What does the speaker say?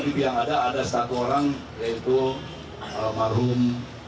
dari gdp yang ada ada satu orang yaitu marhum